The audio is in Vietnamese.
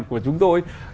của chúng tôi